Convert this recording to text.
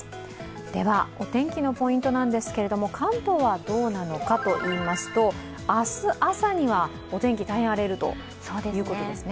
では、お天気のポイントなんですけれども、関東はどうなのかといいますと明日朝にはお天気、大変荒れるということですね。